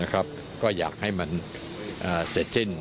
ก็อยากให้มันเสร็จสิ้น